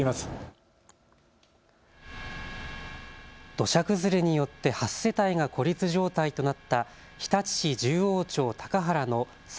土砂崩れによって８世帯が孤立状態となった日立市十王町高原の沢